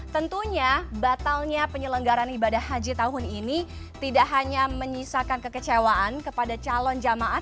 tentunya batalnya penyelenggaran ibadah haji tahun ini tidak hanya menyisakan kekecewaan kepada calon jamaah